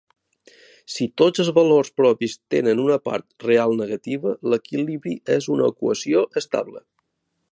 Si tots els valors propis tenen una part real negativa, l'equilibri és una equació estable.